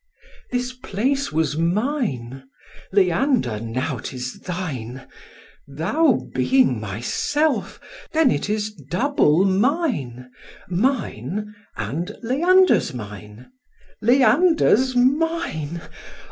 This place was mine; Leander, now 'tis thine, Thou being myself, then it is double mine, Mine, and Leander's mine, Leander's mine.